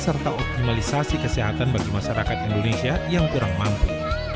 serta optimalisasi kesehatan bagi masyarakat indonesia yang kurang mampu